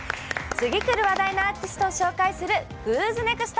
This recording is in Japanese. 次くる話題のアーティストを紹介する「ＷＨＯ’ＳＮＥＸＴ！」。